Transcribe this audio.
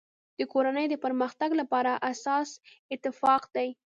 د کورنی د پرمختګ لپاره اساس اتفاق دی.